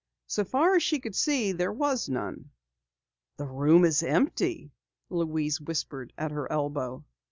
So far as she could see there was none. "The room is empty!" Louise whispered at her elbow.